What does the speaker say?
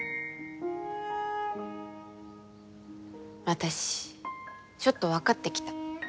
私ちょっと分かってきた。